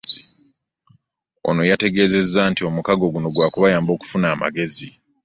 Ono yategeezezza nti omukago guno gwa kubayamba okufuna amagezi